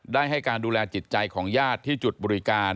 ได้ให้การดูแลจิตใจของญาติที่จุดบริการ